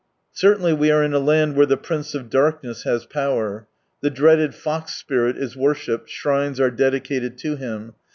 Certainly we are in a land where the Prince of Darkness has power. The dreaded Fox Spirit is worshipped, shrines are dedicated to him.